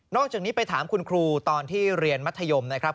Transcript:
อกจากนี้ไปถามคุณครูตอนที่เรียนมัธยมนะครับ